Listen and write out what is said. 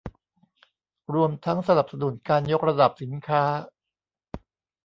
รวมทั้งสนับสนุนการยกระดับสินค้า